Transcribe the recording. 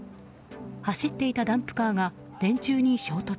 走っていたダンプカーが電柱に衝突。